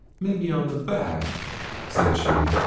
'Maybe on the back?' said she.